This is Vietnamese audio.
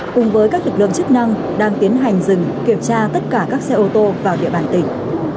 cùng với các lực lượng chức năng đang tiến hành dừng kiểm tra tất cả các xe ô tô vào địa bàn tỉnh